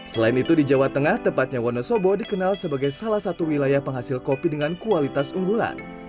selain itu di jawa tengah tempatnya wonosobo dikenal sebagai salah satu wilayah penghasil kopi dengan kualitas unggulan